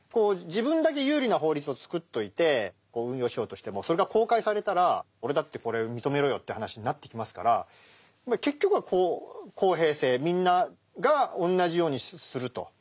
自分だけ有利な法律を作っといて運用しようとしてもそれが公開されたら俺だってこれ認めろよって話になってきますから結局は公平性みんなが同じようにすると。